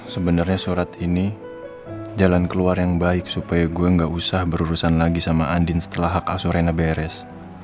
sebenarnya surat ini jalan keluar yang baik supaya gue gak usah berurusan lagi sama andin setelah hak asorena beres